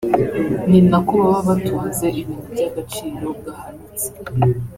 ni nako baba batunze ibintu by’agaciro gahanitse